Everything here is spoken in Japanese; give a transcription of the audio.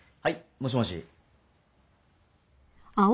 もしもし？